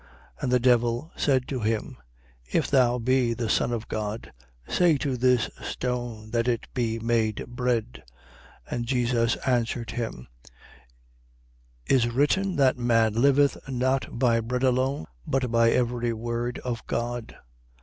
4:3. And the devil said to him: If thou be the Son of God, say to this stone that it be made bread. 4:4. And Jesus answered him: is written that Man liveth not by bread alone, but by every word of God.